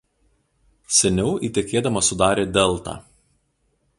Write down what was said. Seniau įtekėdama sudarė deltą.